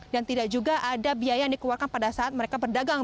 dan tidak juga ada biaya yang dikeluarkan pada saat mereka berdagang